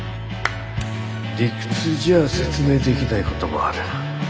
理屈じゃあ説明できないこともある。